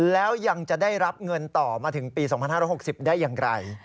แล้วยังจะได้รับเงินต่อมาถึงปี๒๕๖๐ได้อย่างไร